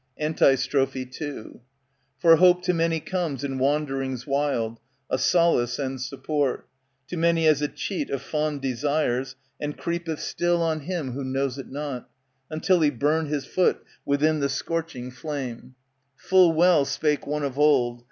Antistrophe II For hope to many comes in wanderings wild, A solace and support ; To many as a cheat of fond desires, And creepeth still on him who knows it not, Until he burn his foot Within the scorching flame. •^ Full well spake one of old.